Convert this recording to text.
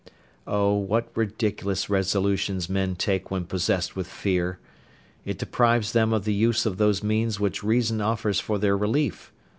Oh, what ridiculous resolutions men take when possessed with fear! It deprives them of the use of those means which reason offers for their relief.